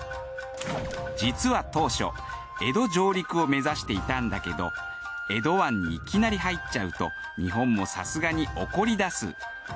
実は当初江戸上陸を目指していたんだけど江戸湾にいきなり入っちゃうと日本もさすがに怒りだす。